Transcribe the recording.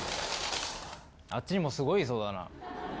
・あっちにもすごいいそうだな。